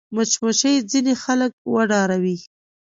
مچمچۍ ځینې خلک وډاروي